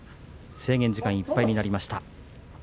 制限時間がいっぱいになりました。